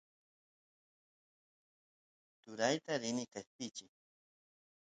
turayta rini qeshpichiy